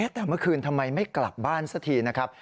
แต่เมื่อคืนทำไมไม่กลับบ้านสักทีนะครับ